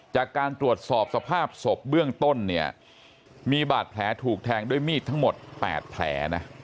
จากการตรวจสอบสภาพศพเบื้องต้นเนี่ยมีบาดแผลถูกแทงด้วยมีดทั้งหมด๘แผลนะ